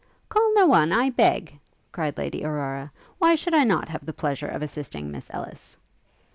'Call no one, I beg!' cried Lady Aurora: 'Why should I not have the pleasure of assisting Miss Ellis?'